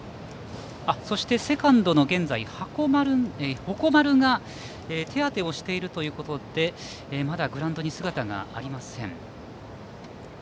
そして現在、セカンドの鉾丸が手当てをしているということでまだグラウンドに姿がありません。